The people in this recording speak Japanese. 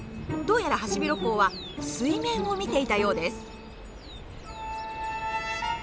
どうやらハシビロコウは水面を見ていたようです。